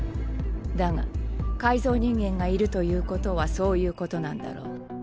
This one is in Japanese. だが改造人間がいるということはそういうことなんだろう。